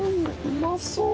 うまそう。